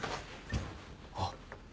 あっ！